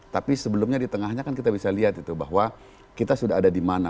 tapi sebelumnya di tengahnya kan kita bisa lihat itu bahwa kita sudah ada di mana